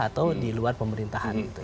atau diluar pemerintahan